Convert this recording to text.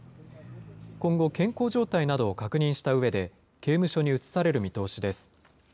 今後、健康状態などを確認したうえで、刑務所に移される見通しです。